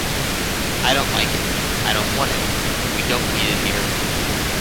I don't like it, I don't want it, and we don't need it here.